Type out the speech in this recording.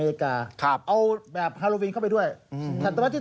เอาแบบฮาโลวินเข้าไปด้วยศัตรูประเทศ๗๙